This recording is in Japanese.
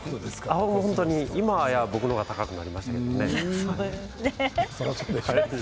今は僕の方が高くなりましたけれども。